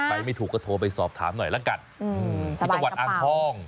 ใครไม่ถูกก็โทรไปสอบถามหน่อยละกัดอิตถวันอ่างทอง